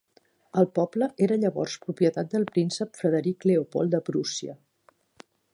El poble era llavors propietat del príncep Frederic Leopold de Prússia.